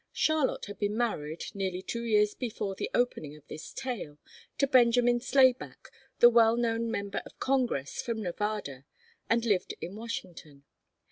Charlotte had been married, nearly two years before the opening of this tale, to Benjamin Slayback, the well known member of Congress from Nevada, and lived in Washington.